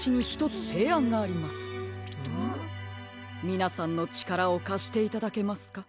みなさんのちからをかしていただけますか？